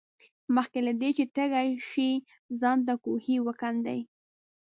مخکې له دې چې تږي شې ځان ته کوهی وکیندئ.